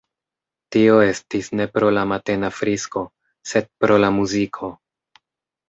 Tio estis ne pro la matena frisko, sed pro la muziko.